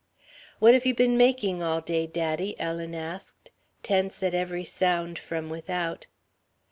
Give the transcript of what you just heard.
"What you been making all day, daddy?" Ellen asked, tense at every sound from without.